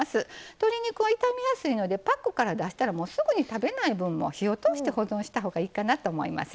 鶏肉は傷みやすいのでパックから出したらすぐに食べない分も火を通して保存したほうがいいと思います。